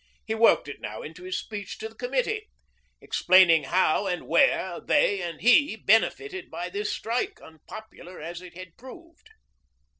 He worked it now into his speech to the Committee, explaining how and where they and he benefited by this strike, unpopular as it had proved.